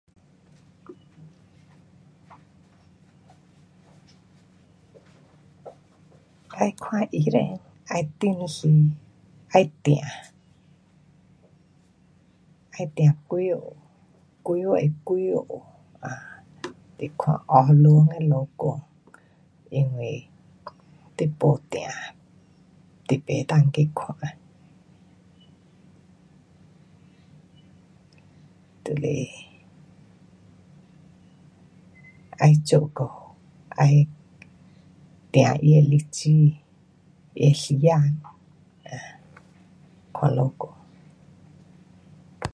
要看医生，要订时，要订，要订几号，几月几号，[um]你看下轮的医生，因为你没订，你不能去看，就是要做个，要订他的日子，他的时间，[um]看医生。